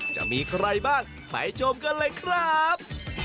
จะมีใครบ้างไปชมกันเลยครับ